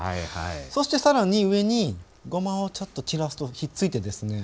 そして更に上にごまをちょっと散らすとひっついてですね